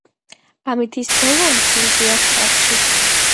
ამით ის ბოლო ადგილზეა ქალაქში.